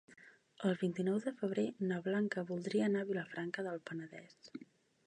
El vint-i-nou de febrer na Blanca voldria anar a Vilafranca del Penedès.